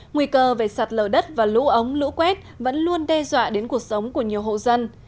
nguy cơ về sạt lở đất và lũ ống lũ quét vẫn luôn đe dọa đến cuộc sống của nhiều hộ dân